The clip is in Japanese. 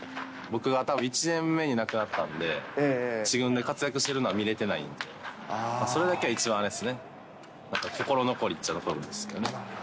僕がたぶん１年目に亡くなったんで、１軍で活躍しているのは見れてないんで、それだけが一番あれですね、ま、心残りっちゃ心残りなんですけどね。